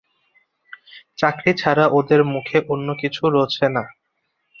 চাকরি ছাড়া ওদের মুখে অন্য কিছু রোছে না।